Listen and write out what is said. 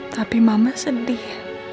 tapi mama sedih